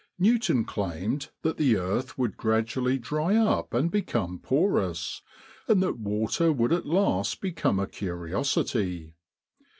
Newton claimed that the earth would gradually dry up and become porous, and that water would at last become a curiosity.